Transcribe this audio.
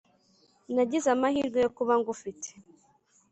nagize amahirwe yo kuba ngufite.